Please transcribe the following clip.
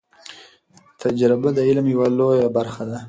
تجربه د علم یو لوی برخه ده.